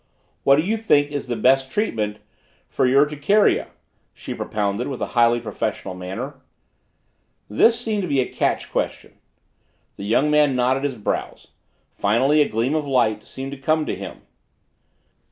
"What do you think is the best treatment for urticaria?" she propounded with a highly professional manner. It appeared to be a catch question. The young man knotted his brows. Finally a gleam of light seemed to come to him.